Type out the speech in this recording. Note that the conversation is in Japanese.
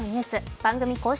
番組公式